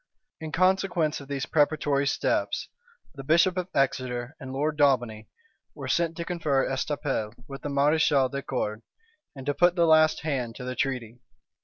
In consequence of these preparatory steps, the bishop of Exeter and Lord Daubeney were sent to confer at Estaples with the mareschal de Cordes, and to put the last hand to the treaty.